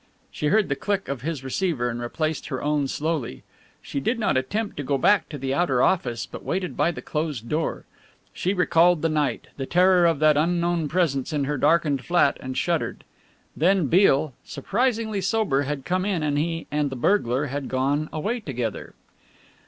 She heard the "click" of his receiver and replaced her own slowly. She did not attempt to go back to the outer office, but waited by the closed door. She recalled the night, the terror of that unknown presence in her darkened flat, and shuddered. Then Beale, surprisingly sober, had come in and he and the "burglar" had gone away together.